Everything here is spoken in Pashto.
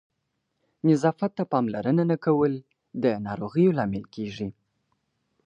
نظافت ته پاملرنه نه کول د ناروغیو لامل کېږي.